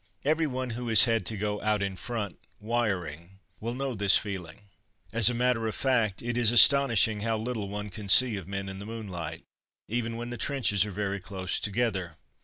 Every one who has had to go "out in front," wiring, will know this feeling. As a matter of fact, it is astonishing how little one can see of men in the moonlight, even when the trenches are very close together.